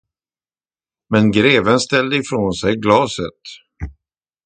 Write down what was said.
Men greven ställde ifrån sig glaset.